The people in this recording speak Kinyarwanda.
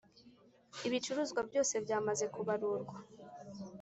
Ibicuruzwa byose byamaze kubarurwa